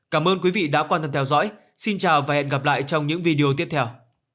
cảm ơn quý vị đã quan tâm theo dõi xin chào và hẹn gặp lại trong những video tiếp theo